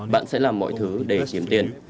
bạn sẽ làm mọi thứ để kiếm tiền